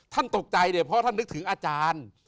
ตกใจเนี่ยเพราะท่านนึกถึงอาจารย์